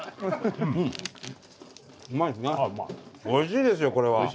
おいしいですよこれは。